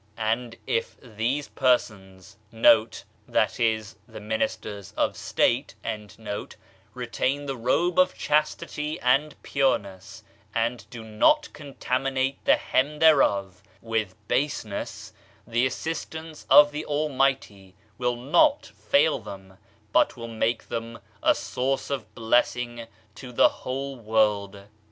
And if these persons ' retain the robe of chastity and pureness, and do not contaminate the hem thereof with b^eness, the assistance of the Al mighty will not fail diem, .but will make them a source of blessing to the whole world.